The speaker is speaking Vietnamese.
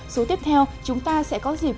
số tiếp theo chúng ta sẽ có dịp